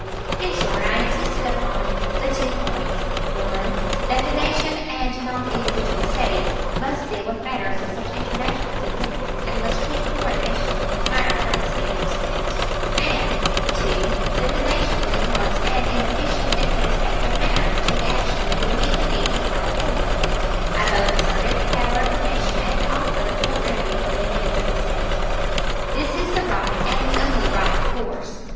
In short, I insisted upon the two points (1) that the Nation and not the individual States must deal with matters of such international significance and must treat foreign nations with entire courtesy and respect; and (2) that the Nation would at once, and in efficient and satisfactory manner, take action that would meet the needs of California. I both asserted the power of the Nation and offered a full remedy for the needs of the State. This is the right, and the only right, course.